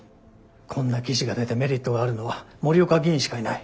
こんな記事が出てメリットがあるのは森岡議員しかいない。